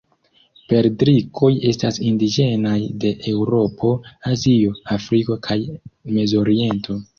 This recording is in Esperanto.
Perdrikoj estas indiĝenaj de Eŭropo, Azio, Afriko, kaj Mezoriento.